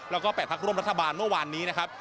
แล้วก็๘พักร่วมรัฐบาลเมื่อวานนี้นะครับ